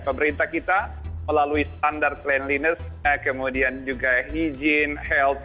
pemerintah kita melalui standar cleanliness kemudian juga hygiene health